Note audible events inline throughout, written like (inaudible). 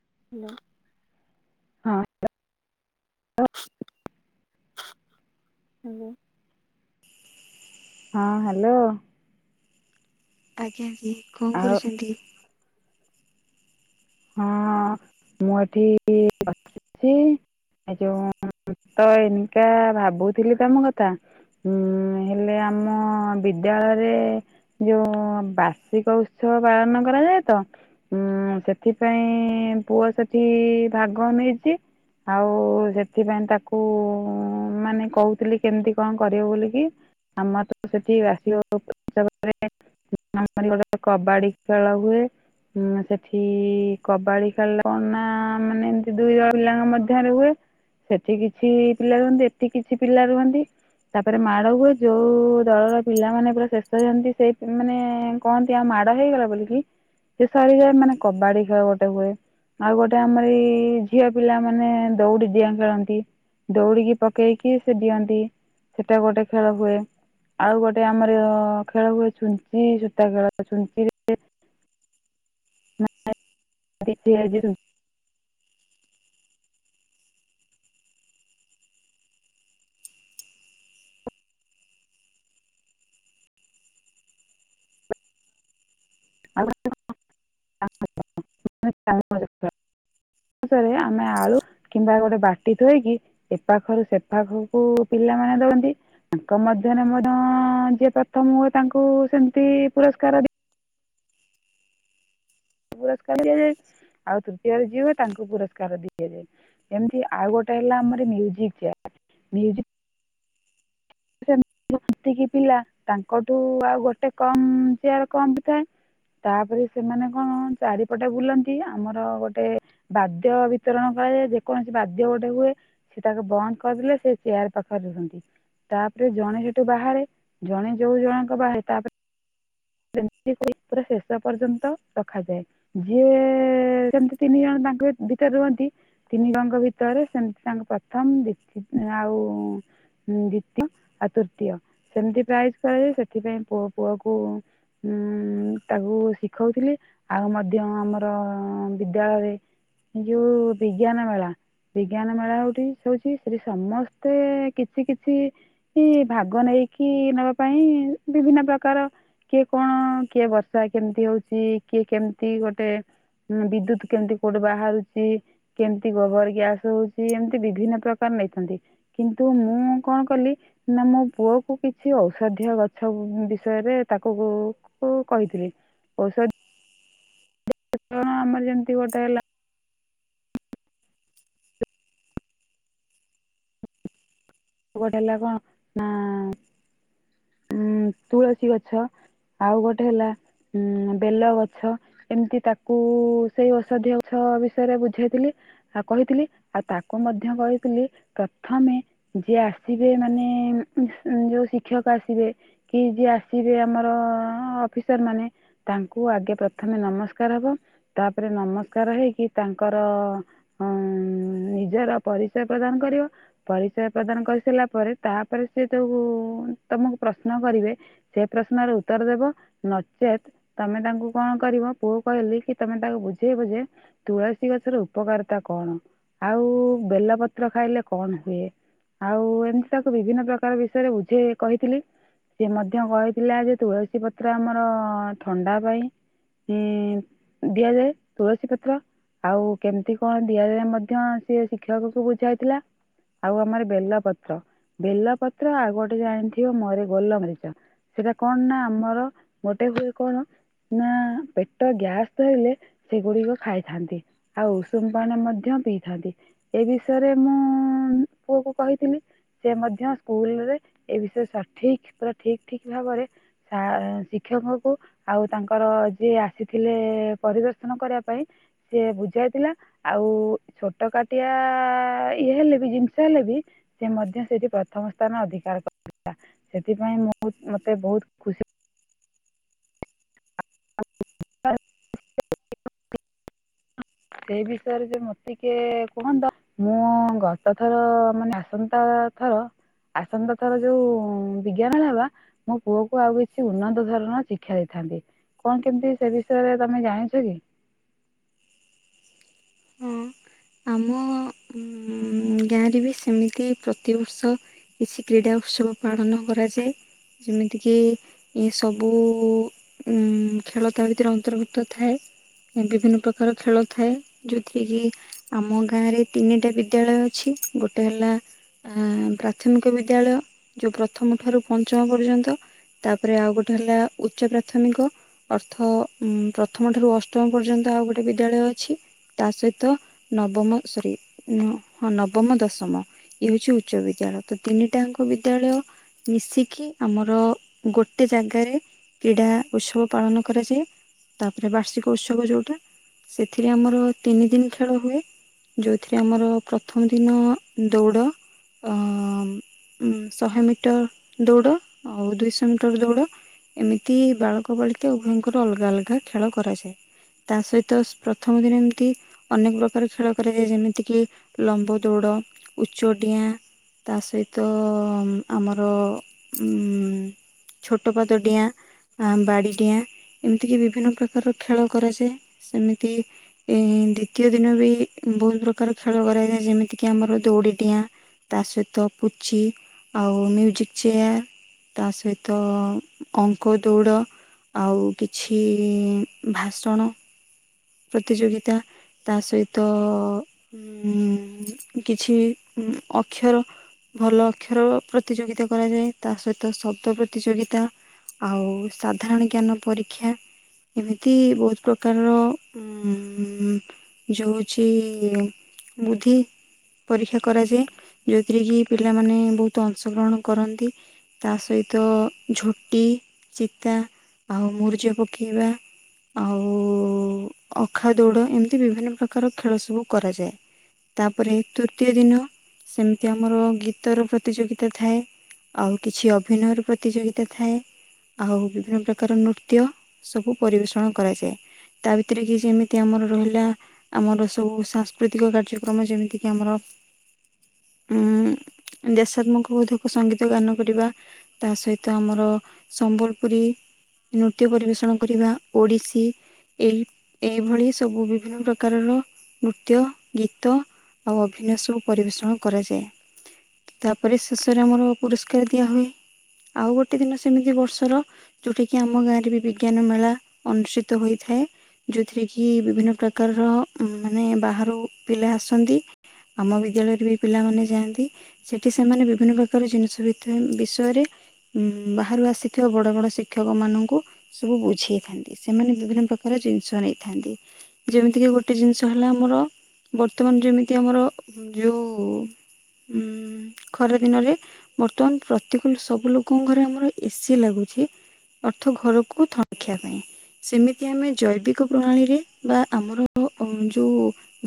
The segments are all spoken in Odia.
(inaudible) (unintelligible) ହେଲୋ! ହଁ ହ୍ୟାଲୋ। ଆଜ୍ଞା ଆଜ୍ଞା କଣ ଆଉ କରୁଛନ୍ତି? ହଁ ମୁଁ ଏଠି ବସିଛି ଏ ଯୋଉଁ ମୁଁ ତ ଏନକା ଭାବୁଥିଲି ତମ କଥା ଉଁ ହେଲେ ଆମ ବିଦ୍ୟାଳୟରେ ଯୋଉ ବାର୍ଷିକ ଉତ୍ସବ ପାଳନ କରାଯାଏ ତ ଉଁ ସେ ସେଥିପାଇଁ ପୁଅ ସେଠି ଭାଗ ନେଇଛି ଆଉ ସେଥିପାଇଁ ତାକୁ ମାନେ କହୁଥିଲି କେମିତି କଣ କରିବ ବୋଲିକି ଆମର ତ ସେଠି ବାର୍ଷିକ ଉତ୍ସବ ରେ ଆମର ଗୋଟେ କବାଡି ଖେଳ ହୁଏ ଉଁ ସେଠି ଏଇ କବାଡି ଖେଳିଲା କଣ ନା ମାନେ ଏମିତି ଦୁଇ ଜଳ ପିଲାଙ୍କ ମଧ୍ୟରେ ହୁଏ ସେଠି କିଛି ପିଲା ରୁହନ୍ତି ଏଠି କିଛି ପିଲା ରୁହନ୍ତି ତାପରେ ମାଡ ହୁଏ ଯୋଉ ଦଳର ପିଲାମାନେ ପୁରା ଶେଷହନ୍ତି ସେ ମାନେ କହନ୍ତି ଆ ମାଡ ହେଇଗଲା ବୋଲିକି ସେ ସରିଯାଏ ମାନେ କବାଡି ଖେଳ ଗୋଟେ ହୁଏ ଆଉ ଗୋଟେ ଆମର ଏଇ ଝିଅ ପିଲା ମାନେ ଦଉଡି ଜିଆ ଖେଳନ୍ତି ଦୌଡିକି ପକେଇକି ସେ ଦିଅନ୍ତି ସେଟା ଗୋଟେ ଖେଳ ହୁଏ ଆଉ ଗୋଟେ ଆମର ଖେଳ ହୁଏ ଛୁଞ୍ଚି ସୂତା ଖେଳ ଛୁଞ୍ଚି ରେ (inaudible) ନା ଵି ପି ଆଇଡି ରୁ (inaudible) ଅନସରେ ଆମେ ଆଳୁ କିମ୍ବା ଗୋଟେ ବାଟି ଥୋଇକି ଏ ପାାଖରୁ ସେ ପାାଖକୁ ପି ପିଲାମାନେ ଦଉଡ଼ନ୍ତି ତାଙ୍କ ମଧ୍ୟରେ ମଧ୍ୟ ଯିଏ ପ୍ରଥମ ହୁଏ ତାଙ୍କୁ ସେମତି ପୁରସ (unintelligible) ପୁରସ୍କାର ଦିଆଯାଏ ଆଉ ତୃତୀୟରେ ଯିଏ ହୁଏ ତାଙ୍କୁ ପୁରସ୍କାର ଦିଆଯାଏ। ଏମତି ଆଉ ଗୋଟେ ହେଲା ଆମର ମ୍ୟୁଜିକ ଚେୟାର ମ୍ୟୁଜିକ (unintelligible) ଟିକି ପିଲା ତାଙ୍କଠୁ ଆଉ ଗୋଟେ କମ ଚେୟାର କମ ଥାଏ ତାପରେ ସେମାନେ କଣ ଚାରିପଟେ ବୁଲନ୍ତି ଆମର ଗୋଟେ ବାଦ୍ୟ ବିତରଣ କରାଯାଏ ଯେକୌଣସି ବାଦ୍ୟ ଗୋଟେ ହୁଏ ସେ ତାାକୁ ବନ୍ଦ କରିଦେଲେ ସେ ଚେୟାର ପାଖ ତାପରେ ଜଣେ ସେଠୁ ବାହାରେ ଜଣେ ଯୋଉ ଜଣଙ୍କ ବାହ ତାପରେ ସେମିତି ସେ ପୁରା ଶେଷ ପର୍ଯ୍ୟନ୍ତ ରଖାଯାଏ ଯିଏ ସେମତି ତିନି ଜଣ ତାଙ୍କ ଦିଟା ରୁହନ୍ତି ତିନି ଜଣଙ୍କ ଭିତରେ ସେମିତି ତାଙ୍କ ପ୍ରଥମ ଆଉ ହଁ ଦ୍ଵିତୀୟ ଆଉ ତୃତୀୟ ସେମିତି ପ୍ରାଇଜ କରାଯାଏ ସେଥିପାଇଁ ପୁଅ ପୁଅକୁ ହୁଁ। ତାକୁ ଶିଖଉଥିଲି ଆଉ ମଧ୍ୟ ଆମର ବିଦ୍ୟାଳୟରେ ନିଉ ବିଜ୍ଞାନ ମେଳ ବିଜ୍ଞାନ ମେଳା ହଉଠି ହଉଛି ସେଠି ସମସ୍ତେ କିଛି କିଛି ଭାଗ ନେଇ ଦେଇକି ନବା ପାଇଁ ବିଭିନ୍ନ ପ୍ରକାର କିଏ କଣ କିଏ ବର୍ଷା କେମିତି ହଉଛି କିଏ କେମିତି ଗୋଟେ ହଁ ବିଦ୍ୟୁତ କେମିତି କୋଉଠି ବାହାରୁଛି କେମତି ଗୋବର ଗ୍ୟାସ ହଉଛି ଏମିତି ବିଭିନ୍ନ ପ୍ରକାର ନେଇଥାନ୍ତି କିନ୍ତୁ ମୁଁ କଣ କଲି ନା ମୋ ପୁଅ କ କିଛି ଔଷଧୀୟ ଗଛ ବିଷୟରେ ତାକୁ କହିଥିଲି ଔଷଧ ପ୍ରଚଳନ ଆମର ଯେମିତି ଗୋଟେ ହେଲା ଆ ଗୋଟେ ହେଲା କଣ ନା ଉ ତୁଳସୀ ଗଛ ଆଉ ଗୋଟେ ହେଲା ଉଁ ବେଲ ଗଛ ଏମିତି ତାକୁ ସେଇ ଔଷଧୀୟ ଗଛ ବିଷୟରେ ବୁଝାଇଥିଲି ଆଉ କହିଥିଲି ଆଉ ତାକୁ ମଧ୍ୟ କହିଥିଲି ପ୍ରଥମେ ଯିଏ ଆସିବେ ମାନେ ଯୋ ଶିକ୍ଷକ ଆସିବେ କି ଯିଏ ଆସିବେ ଆମର ଅଫିସର ମାନେ ତାଙ୍କୁ ଆଗେ ପ୍ରଥମେ ନ ନମସ୍କାର ହବ ତାପରେ ନମସ୍କାର ହେଇକି ତାଙ୍କର ନିଜ ପରିଚୟ ପ୍ରଦାନ କରିବ ପରିଚୟ ପ୍ରଦାନ କରିସାରିଲା ପରେ ତାପରେ ସେ ସବୁ ତମକୁ ପ୍ରଶ୍ନ କରିବେ ସେ ପ୍ରଶ୍ନର ଉତ୍ତର ଦେବ ନଚେତ୍ ତମେ ତାଙ୍କୁ କଣ କରିବ ତ ପୁଅ କହିଲି କି ତମେ ତାକୁ ବୁଝେଇବ ଯେ ତୁଳସୀ ଗଛର ଉପକାରିତା କଣ ଆଉ ବେଲପତ୍ର ଖାଇଲେ କଣ ହୁଏ ଆଉ ଏମିତି ତାକୁ ବିଭିନ୍ନ ପ୍ରକାର ବିଷୟରେ ବୁଝେ କହିଥିଲି ସେ ମଧ୍ୟ କହିଥିଲା ଯେ ତୁଳସୀ ପତ୍ର ଆମର ଥଣ୍ଡା ପାଇଁ। ହଁ ଦିଆଯାଏ ତୁଳସୀ ପତ୍ର। ଆଉ କେମିତି କଣ ଦିଆଯାଏ ମଧ୍ୟ ସିଏ ଶିକ୍ଷକକୁ ବୁଝାଇଥିଲା। ଆଉ ଆମର ବେଲପତ୍ର ବେଲପତ୍ର ଆଉ ଗୋଟେ ଜାଣି ମରି ଗୋଲ ମରିଚ ସେଇଟା କଣ ନା ଆମର ଗୋଟେ ହୁଏ କଣ ନା ପେଟ ଗ୍ୟାସ ଧଇଲେ ସେଗୁଡିକ ଖାଇଥାନ୍ତି ଆଉ ଉଷୁମ ପଣି ମଧ୍ୟ ପିଇଥାନ୍ତି ଏ ବିଷୟରେ ମୁଁ ପୁଅକୁ କହିଥିଲି। ସେ ମଧ୍ୟ ସ୍କୁଲରେ ଏ ବିଷୟରେ ସଠିକ ପୁରା ଠିକ ଠିକ ଭାବରେ ସା ଶିକ୍ଷକଙ୍କୁ ଆଉ ତାଙ୍କର ଯିଏ ଆସିଥିଲେ ପରିଦର୍ଶନ କରିବା ପାଇଁ ସିଏ ବୁଝାଇଥିଲା ଆଉ ଛୋଟ କାଟିଆ ଆ ଇଏ ହେଲେ ବି ଜିନିଷ ହେଲେ ବି ସେ ମଧ୍ୟ ସେଠି ପ୍ରଥମ ସ୍ଥାନ ଅଧିକାର କ ସେଥିପାଇଁ ମୁଁ ମତେ ବହୁତ ଖୁସି (inaudible) ସେଇ ବିଷୟରେ ଯେ ମତେ କିଏ କୁହନ୍ତ ମୁଁ ଗତ ଥର ମାନେ ଆସନ୍ତା ଥର ଆସନ୍ତା ଥର ଯୋଉ ବିଜ୍ଞାନ ହେବା ମୋ ପୁଅକୁ ଆଉ କିଛି ଉନ୍ନତ ଧରଣର ଶିକ୍ଷା ଦେଇଥାଏ। କଣ କେମତି ସେ ବିଷୟରେ ତମେ ଜାଣିଛ କି? ହଁ ଆମ ଉଁ ଗାଁରେ ବି ସେମିତି ପ୍ରତିବର୍ଷ କିଛି କ୍ରୀଡା ଉତ୍ସବ ପାଳନ କରାଯାଏ। ଯେମିତି କିି ଏ ସବୁ ଉଁ ଖେଳ ତା ଭିତରେ ଅନ୍ତର୍ଭୁକ୍ତ ଥାଏ ବିଭିନ୍ନ ପ୍ରକାର ଖେଳ ଥାଏ। ଯେଉଁଥିରେ କିି ଆମ ଗାଁରେ ତିନିଟା ବିଦ୍ୟାଳୟ ଅଛି ଗୋଟେ ହେଲା ଆ ପ୍ରାଥମିକ ବିଦ୍ୟାଳୟ ଯୋଉ ପ୍ରଥମ ଠାରୁ ପଞ୍ଚମ ପର୍ଯ୍ୟନ୍ତ। ତାପରେ ଆଉ ଗୋଟେ ହେଲା ଉଚ୍ଚ ପ୍ରାଥମିକ ଅର୍ଥ ପ୍ରଥମ ଠାରୁ ଅଷ୍ଟମ ପର୍ଯ୍ୟନ୍ତ। ଆଉ ଗୋଟେ ବିଦ୍ୟାଳୟ ଅଛି। ତା ସହିତ ନବମ ସରି ହଁ ନବମ ଦଶମ ଇଏ ହଉଛି ଉଚ୍ଚ ବିଦ୍ୟାଳୟ। ତ ତିନିଟାଙ୍କ ବିଦ୍ୟାଳୟ ମିଶିକି ଆମର ଗୋଟେ ଜାଗାରେ କ୍ରୀଡ଼ା ଉତ୍ସବ ପାଳନ କରାଯାଏ ତାପରେ ବାର୍ଷିକ ଉତ୍ସବ ଯୋଉଟା। ସେଥିରେ ଆମର ତିନି ଦିନ ଖେଳ ହୁଏ। ଯଉଥିରେ ଆମର ପ୍ରଥମ ଦିନ ଦୌଡ଼ ଅ ଉଁ ଶହେ ମିଟର ଦୌଡ ଆଉ ଦୁଇଶହ ମିଟର ଦୌଡ ଏମିତି ବାଳକ ବାଳିକା ଉଭୟଙ୍କର ଅଲଗା ଅଲଗା ଖେଳ କରାଯାଏ। ତା ସହିତ ପ୍ରଥମ ଦିନ ତି ଅନେକ ପ୍ରକାର ଖେଳ କରାଯାଏ ଯେମିତି କିି ଲମ୍ବଦୌଡ, ଉଚ୍ଚଡିଆଁ ତା ସହିତ ଆମର ଉ ଛୋଟ ପାତଡିଆଁ। ଆ ବାଡ଼ିଡିଆଁ ଏମିତିକି ବିଭିନ୍ନ ପ୍ରକାରର ଖେଳ କରାଯାଏ ସେମିତି ଏ ଦ୍ଵିତୀୟ ଦିନ ବି ବହୁତ ପ୍ରକାର ଖେଳ କରାଯାଇଏ। ଯେମିତି କିି ଆମର ଦୌଡ଼ିଡିଆଁ ତା ସହିତ ପୁଚି ଆଉ ମ୍ୟୁଜିକ୍ ଚେୟାର୍। ତା ସହିତ ଅଙ୍କଦୌଡ଼। ଆଉ କିଛି ଭାଷଣ ପ୍ରତିଯୋଗିତା। ତା ସହିତ ଉ କିଛି ଅକ୍ଷର ଭଲ ଅକ୍ଷର ପ୍ରତିଯୋଗିତା କରାଯାଏ ତା ସହିତ ଶବ୍ଦ ପ୍ରତିଯୋଗିତା। ଆଉ ସାଧାରଣ ଜ୍ଞାନ ପରୀକ୍ଷା। ଏମିତି ବହୁତ ପ୍ରକାରର ଉ ହଁ ଯଉ ହେଉଚି ବୁଦ୍ଧି ପରୀକ୍ଷା କରାଯାଏ ଯୋଉଥିରେ କି ପିଲାମାନେ ବହୁତ ଅଂଶ ଗ୍ରହଣ କରନ୍ତି ତା ସହିତ ତ ଝୋଟି, ଚିତା ଆଉ ମୁରୁଜ ପକେଇବା। ଆଉ ଅଖାଦୌଡ ଏମିତି ବିଭିନ୍ନ ପ୍ରକାର ଖେଳ ସବୁ କରାଯାଏ। ତାପରେ ତୃତୀୟ ଦିନ ସେମିତି ଆମର ଗୀତର ପ୍ରତିଯୋଗିତା ଥାଏ। ଆଉ କିଛି ଅଭିନୟର ପ୍ରତିଯୋଗିତା ଥାଏ। ଆଉ ବିଭିନ୍ନ ପ୍ରକାର ନୃତ୍ୟ ସବୁ ପରିବେଷଣ କରାଯାଏ। ତା ଭିତରେ କି ଯେମି ତି ଆମର ରହିଲା ଆମର ସବୁ ସାଂସ୍କୃତିକ କାର୍ଯ୍ୟକ୍ରମ ଯେମିତି କିି ଆମର ଉଁ ଦେଶାତ୍ମକବୋଧକ ସଙ୍ଗୀତ ଗାନ କରିବା ତା ସହିତ ଆମର ସବ୍ ସମ୍ବଲପୁରୀ ନୃତ୍ୟ ପରିବେଷଣ କରିବା ଓଡିଶୀ ଏଇ ଏ ଏଇଭଳି ସବୁ ବିଭିନ୍ନ ପ୍ରକାରର ନୃତ୍ୟ ଗୀତ ଆଉ ଅଭିନୟ ସବୁ ପରିବେଷଣ କରାଯାଏ। ତାପରେ ଶେଷରେ ଆମର ପୁରସ୍କାର ଦିଆ ହୁଏ। ଆଉ ଗୋଟେ ଦିନ ସେମିତି ବର୍ଷର ଯୋଉଠି କିି ଆମ ଗାଁରେ ବି ବିଜ୍ଞାନ ମେଳା ଅନୁଷ୍ଠିତ ହୋଇଥ୍ ଥାଏ। ଯୋଉଥିରେ କି ବିଭିନ୍ନ ପ୍ରକାରର ମାନେ ବାହାରୁ ପିଲା ଆସନ୍ତି। ଆମ ବିଦ୍ୟାଳୟରେ ବି ପିଲାମାନେ ଯାଆନ୍ତି। ସେଠି ସେମାନେ ବିଭିନ୍ନ ପ୍ରକାର ଜିନିଷ ଭିତରେ ବିଷୟରେ ଉଁ ବାହାରୁ ଆସିଥିବା ବଡ ବଡ ଶିକ୍ଷକ ମାନଙ୍କୁ ସୁବୁ ବୁଝେଇଥାନ୍ତି। ସେମାନେ ବିଭିନ୍ନ ପ୍ରକାର ଜିନିଷ ନେଇଥାନ୍ତି। ଯେମିତି କିି ଗୋଟେ ଜିନିଷ ହେଲା ଆମର ବର୍ତ୍ତମାନ ଯେମିତି ଆମର ଯୋଉ ଉଁ ଖରା ଦିନରେ ବର୍ତ୍ତମାନ ପ୍ରତିକୁଲ୍ ସବୁ ଲୋକଙ୍କ ଘରେ ଆମର ଏସିି ଲାଗୁ ଛି ଅର୍ଥ ଘରକୁ ଥଣ୍ଡ୍ ରଖିବା ପାଇଁ ସେମତି ଆମେ ଜୈବିକ ପ୍ରଣାଳୀରେ ବା ଆମର ଓ ଓ ଯୋଉ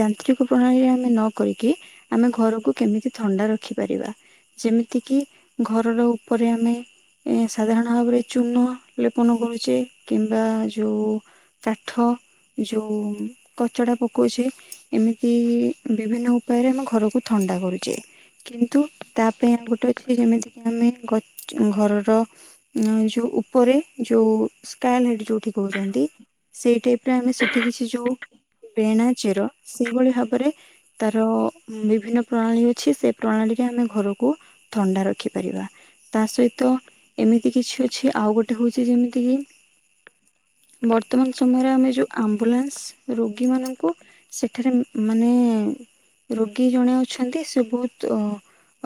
ଯାନ୍ତ୍ରିକ ପ୍ରଣାଳୀରେ ଆମେ ନ କରି କି ଆମେ ଘରକୁ କେମିତି ଥଣ୍ଡା ରଖିପାରିବା ଯେମିତି କିି ଘରର ଉପରେ ଆମେ ଏ ସାଧାରଣ ଭାବରେ ଚୂନ ଲେପନ କରୁଚେ କିମ୍ବା ଯୋଉ କାଟ୍ ଠ। ଯୋଉ କଚଡା ପକଉଚେ। ଏମିତି ବିଭିନ୍ନ ଉପାୟରେ ଆମ ଘରକୁ ଥନ୍ ଡା କରୁଚେ। କିନ୍ତୁ ତା ପାଇଁ ଆଉ ଗୋଟେ ଅଛି ଯେମିତିକି ଆମେ ଗଚ୍ ଘରର ଉଁ ଅ ଯୋଉ ଉପରେ ଯୋଉ ସ୍କାଏ ଲାଇଟ୍ ଯୋଉଠି କହୁଚନ୍ତି ସେଇ ଟାଇପରେ ଆମେ ସେଠି କିଛି ଯୋଉ ବେଣା ଚେର ସେଇଭଳି ଭାବରେ ତାର ବିଭିନ୍ନ ପ୍ରଣାଳୀ ଅଛି। ସେ ପ୍ରଣାଳୀ ରେ ଆମେ ଘରକୁ ଥଣ୍ଡା ରଖିପାରିବା। ତା ସହିତ ଏମିତି କିଛି ଅଛି ଆଉ ଗୋଟେ ହଉଚି ଯେମିତି କିି ମର୍ ବର୍ତ୍ତମାନ ସମୟରେ ଆମେ ଯୋଉ ଆମ୍ବୁଲାନ୍ସ ରୋଗୀମାନଙ୍କୁ ସେଠାରେ ମାନେ ରୋଗୀ ଜଣେ ଅଛନ୍ତି। ସେ ବହୁତ ଅ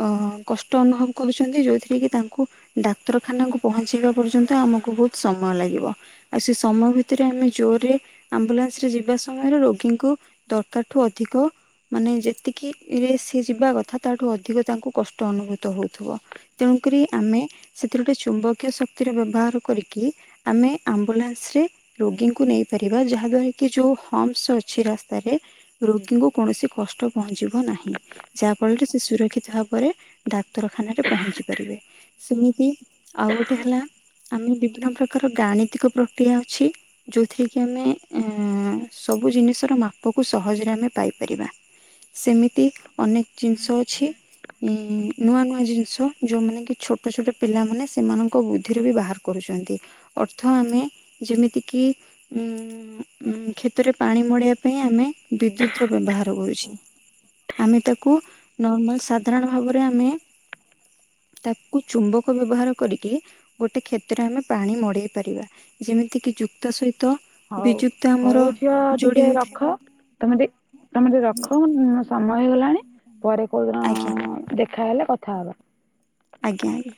ଅ କଷ୍ଟ ଅନୁଭବ କରୁଚନ୍ତି। ଯୋଉଥିରେ କି ତାଙ୍କୁ ଡାକ୍ତରଖାନା କୁ ପହଞ୍ଚେଇବା ପର୍ଯ୍ୟନ୍ତ ଆମ କୁ ବହୁତ ସମୟ ଲାଗିବ। ଆଉ ସେ ସମୟ ଭି ଥିରେ ଆମେ ଜୋରରେ ଆମ୍ବୁଲାନ୍ସ ରେ ଯିବା ସମୟରେ ରୋଗୀଙ୍କୁ ଦରକାରଠୁ ଅଧିକ ମାନେ ଯେତିକି ରେ ସିଏ ଯିବା କଥା ତାଠୁ ଅଧିକ ତାଙ୍କୁ କଷ୍ଟ ଅନୁଭୂତ ହଉଥିବ। ତେଣୁକରି ଆମେ ସେଥିରେ ଗୋଟେ ଚୁମ୍ବକୀୟ ଶକ୍ତିର ବ୍ୟବହାର କରିକି ଆମେ ଆମ୍ବୁଲାନ୍ସ ରେ ରୋଗୀଙ୍କୁ ନେଇପାରିବା ଯାହା ଦ୍ଵାରା କି ଯୋଉ ହମ୍ସ ଅଛି ରାସ୍ତାରେ ରୋଗୀଙ୍କୁ କୌଣସି କଷ୍ ଷ୍ଟ ପହଞ୍ଚିବ ନାହିଁ। ଯାହା ଫଳରେ ସେ ସୁରକ୍ଷିତ ଭାବରେ ଡାକ୍ତରଖାନାରେ ପହଞ୍ଚି ପାରିବେ। ସେମିତି ଆଉ ଗୋଟେ ହେଲା ଆମେ ବିଭିନ୍ନ ପ୍ରକାର ଗାଣିତିକ ପ୍ରକ୍ରିୟା ଅଛି। ଯୋଉଥିରେ କି ଆମେ ଏଁ ସବୁ ଜିନିଷର ମାପକୁ ସହଜରେ ଆମେ ପାଇପାରିବା। ସେମିତି ଅନେକ ଜିନିଷ ଅଛି। ନୂଆ ନୂଆ ଜିନିଷ ଯୋଉମାନେ କି ଛୋଟ ଛୋଟ ପିଲାମାନେ ସେମାନଙ୍କ ବୁଦ୍ଧିରୁ ବି ବାହାର କରୁଚନ୍ତି। ଅର୍ଥ ଆମେ ଯେମିତି କି ଉଁ ଉଁ କ୍ଷେତରେ ପାଣି ମଡେଇବା ପାଇଁ ଆମେ ବିଦ୍ୟୁତ ର ବ୍ୟବହାର କରୁଚେ। ଆମେ ତାକୁ ନର୍ମାଲ ସାଧାରଣ ଭାବରେ ଆମେ ତାକୁ ଚୁମ୍ବକ ବ୍ୟବହାର କରିକି ଗୋଟେ କ୍ଷେତରେ ଆମେ ପାଣି ମଡେଇ ପାରିବା ଯେମିତି କି ଜୁ ହଉ ହଉ ଝିଅ ଯୋଡି ଟିକେ ହୋଇଥାଏ ରଖ ତମେ ବି ତମେ ଟିକେ ରଖ ଉଁ ସମୟ ହେଇଗଲାଣି। ପରେ କୋଉଦିନ ଆଜ୍ଞା ଅ ଅ ଦେଖାହଲେ କଥା ହବା। ଆଜ୍ଞା ଆଜ୍ଞା।